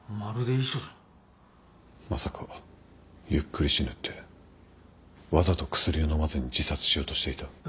まさか「ゆっくり死ぬ」ってわざと薬を飲まずに自殺しようとしていた？